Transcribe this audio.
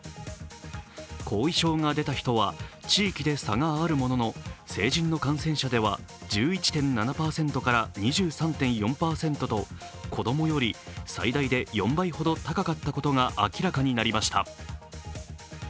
後遺症が出た人は地域で差があるものの成人の感染者では１１．７％から２３．４％と子供より最大で４倍ほど高かったことが明らかになりました。